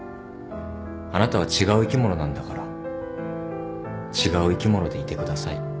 あなたは違う生き物なんだから違う生き物でいてください。